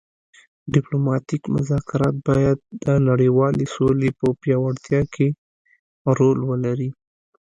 ډیپلوماتیک مذاکرات باید د نړیوالې سولې په پیاوړتیا کې رول ولري